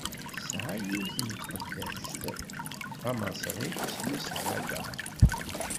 Tesɛa yiwet n tqeddact d tamaṣrit, isem-is Hagaṛ.